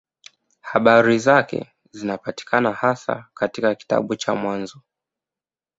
Habari zake zinapatikana hasa katika kitabu cha Mwanzo.